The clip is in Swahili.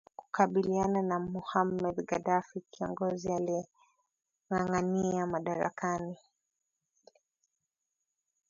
kukabiliana na mohamed gaddafi kiongozi aliengangania madarakani